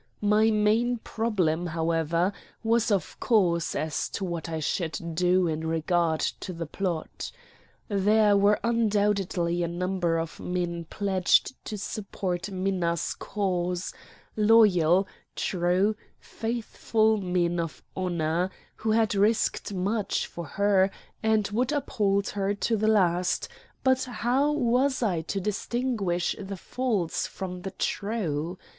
My main problem, however, was of course as to what I should do in regard to the plot. There were undoubtedly a number of men pledged to support Minna's cause; loyal, true, faithful men of honor, who had risked much for her and would uphold her to the last; but how was I to distinguish the false from the true?